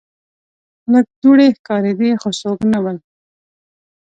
لږ دوړې ښکاریدې خو څوک نه ول.